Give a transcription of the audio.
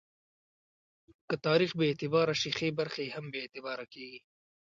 که تاریخ بې اعتباره شي، ښې برخې یې هم بې اعتباره کېږي.